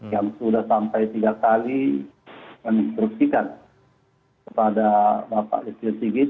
yang sudah sampai tiga kali menginstruksikan kepada bapak jokowi